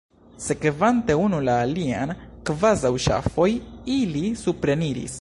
Sekvante unu la alian kvazaŭ ŝafoj, ili supreniris.